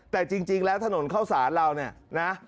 แต่จริงแล้วถนนเข้าสารเราเนี่ยนะ